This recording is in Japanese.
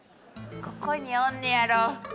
ここにおんねんやろ。